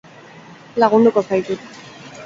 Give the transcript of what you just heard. Lagunduko zaitut.